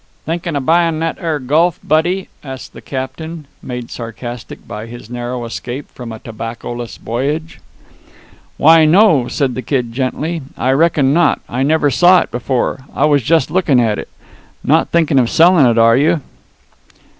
"Thinkin' of buyin' that'ar gulf, buddy?" asked the captain, made sarcastic by his narrow escape from a tobaccoless voyage. "Why, no," said the Kid gently, "I reckon not. I never saw it before. I was just looking at it. Not thinking of selling it, are you?"